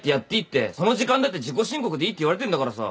その時間だって自己申告でいいって言われてんだからさ。